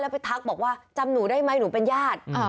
ไปทักบอกว่าจำหนูได้ไหมหนูเป็นญาติ